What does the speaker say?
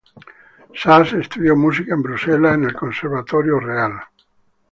Sas estudió música en Bruselas en el Conservatorio Real.